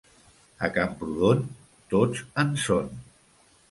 A Camprodon, tots en són.